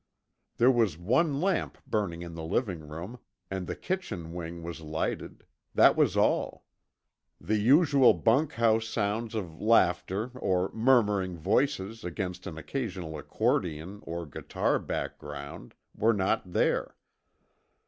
There was one lamp burning in the living room, and the kitchen wing was lighted. That was all. The usual bunkhouse sounds of laughter, or murmuring voices against an occasional accordion or guitar background, were not there.